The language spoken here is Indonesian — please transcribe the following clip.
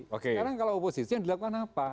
sekarang kalau oposisi yang dilakukan apa